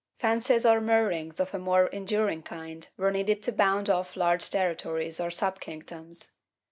Fences or merings of a more enduring kind were needed to bound off large territories or sub kingdoms.